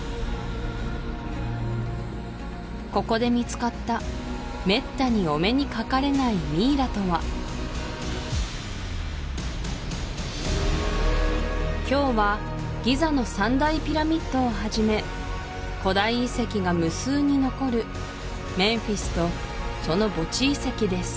ここで見つかっためったにお目にかかれないミイラとは今日はギザの３大ピラミッドをはじめ古代遺跡が無数に残るです